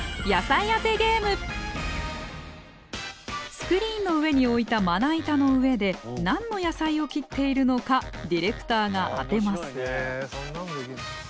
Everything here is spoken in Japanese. スクリーンの上に置いたまな板の上で何の野菜を切っているのかディレクターが当てます。